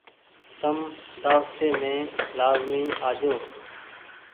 تم دآوتي مين لآزمي آجو ۔